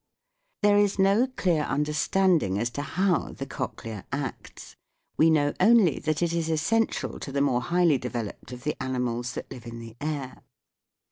There is no clear understanding as to how the cochlea acts ; we know only that it is essential to the more highly developed of the animals that live in the air.